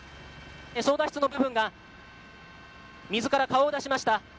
操舵室の部分が水から顔を出しました。